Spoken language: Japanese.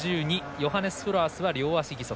ヨハネス・フロアスは両足義足。